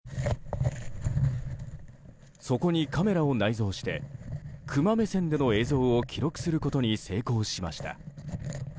そこにカメラを内蔵してクマ目線での映像を記録することに成功しました。